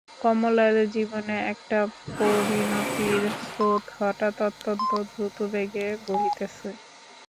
কমলার জীবনে একটা পরিণতির স্রোত হঠাৎ অত্যন্ত দ্রুতবেগে বহিতেছে।